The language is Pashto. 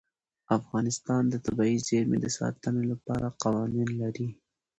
افغانستان د طبیعي زیرمې د ساتنې لپاره قوانین لري.